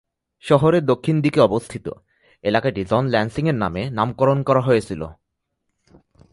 শহরের দক্ষিণ দিকে অবস্থিত, এলাকাটি জন ল্যান্সিং এর নামে নামকরণ করা হয়েছিল।